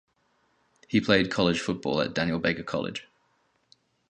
He played college football at Daniel Baker College.